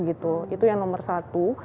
itu yang nomor satu